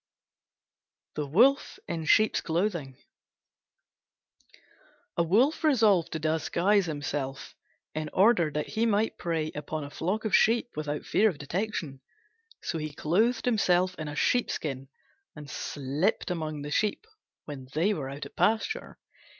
THE WOLF IN SHEEP'S CLOTHING A Wolf resolved to disguise himself in order that he might prey upon a flock of sheep without fear of detection. So he clothed himself in a sheepskin, and slipped among the sheep when they were out at pasture.